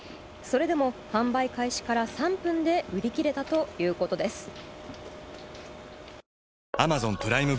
それでも販売開始から３分で売り切れたということです。